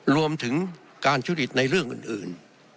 รวมถึงการชุดฤทธิ์ในเรื่องอื่น